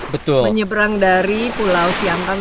menyeberang dari pulau siangran